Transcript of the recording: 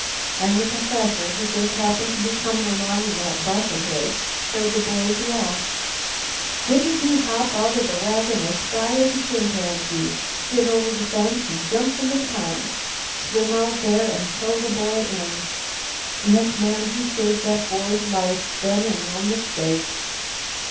And the Perfessor, who jest happened to be comin' along in that 'bus of his, heard the boys yell. Didn't he hop out o' the wagon as spry as a chimpanzee, skin over the fence, an' jump into the pond, swim out there an' tow the boy in! Yes, ma'am, he saved that boy's life then an' no mistake.